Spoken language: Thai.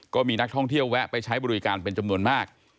ก็มีนักท่องเที่ยวแวะไปใช้บริการเป็นจำนวนมาก